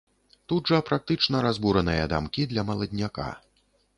Тут жа практычна разбураныя дамкі для маладняка.